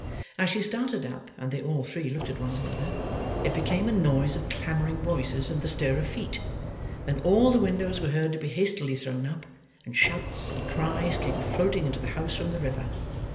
As she started up, and they all three looked at one another, it became a noise of clamouring voices and of the stir of feet; then all the windows were heard to be hastily thrown up, and shouts and cries came floating into the house from the river.